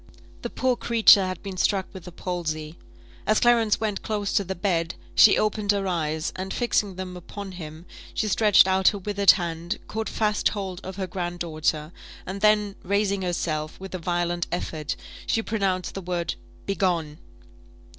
The poor creature had been struck with the palsy. As Clarence went close to the bed, she opened her eyes, and fixing them upon him, she stretched out her withered hand, caught fast hold of her grand daughter, and then raising herself, with a violent effort, she pronounced the word "Begone!"